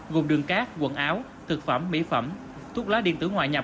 gồm đường cát quần áo thực phẩm mỹ phẩm thuốc lá điên tử ngoài nhập